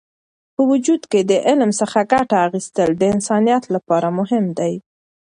په وجود کې د علم څخه ګټه اخیستل د انسانیت لپاره مهم دی.